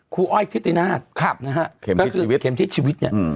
ครูอ้อยทะเลนาทครับนะฮะเข็มที่ชีวิตเข็มที่ชีวิตเนี้ยอืม